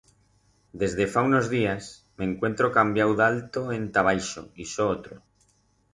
Desde fa unos días me encuentro cambiau d'alto enta baixo y so otro.